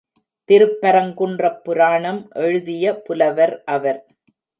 திருப்பரங்குன்றப் புராணம் எழுதிய புலவர் அவர்.